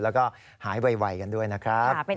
แล้วก็หายไวกันด้วยนะครับ